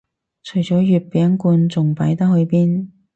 除咗月餅罐仲擺得去邊